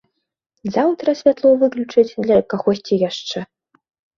Заўтра святло выключаць для кагосьці яшчэ.